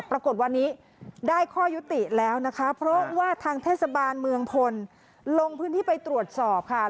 ปรากฏวันนี้ได้ข้อยุติแล้วนะคะเพราะว่าทางเทศบาลเมืองพลลงพื้นที่ไปตรวจสอบค่ะ